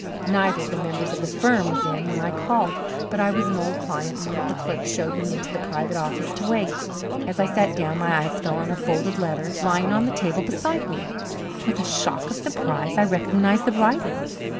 Neither of the members of the firm was in when I called, but I was an old client, and one of the clerks showed me into the private office to wait. As I sat down my eyes fell on a folded letter lying on the table beside me. With a shock of surprise I recognized the writing.